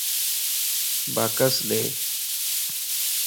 باڪس ڏي